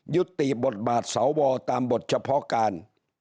ยุติบทบาทสวตามบทเฉพาะการ